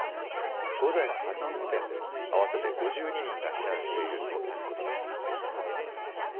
午前８時時点で合わせて５２人が避難しているということです。